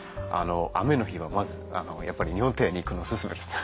雨の日はまずやっぱり日本庭園に行くのオススメです。